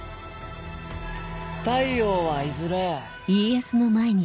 太陽はいずれ。